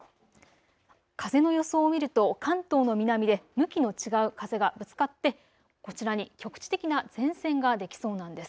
風の予想を見ると関東の南で向きの違う風がぶつかってこちらに局地的な前線ができそうなんです。